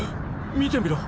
見てみろ。